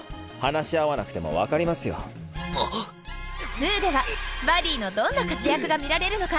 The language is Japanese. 「２」ではバディのどんな活躍が見られるのか。